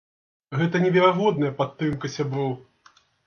Гэта неверагодная падтрымка сяброў!